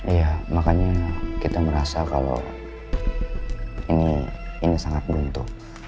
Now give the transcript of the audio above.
iya makanya kita merasa kalau ini sangat beruntung